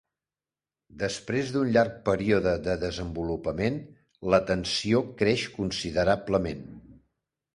Després d'un llarg període de desenvolupament, la tensió creix considerablement.